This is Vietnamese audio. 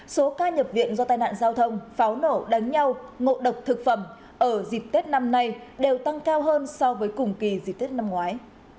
số ca nhập viện do tai nạn giao thông pháo nổ đánh nhau ngộ độc thực phẩm ở dịp tết năm nay đều tăng cao hơn so với cùng kỳ dịp tết năm ngoái